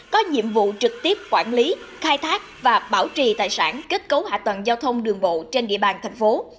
có nhiệm vụ trực tiếp quản lý khai thác và bảo trì tài sản kết cấu hạ tầng giao thông đường bộ trên địa bàn thành phố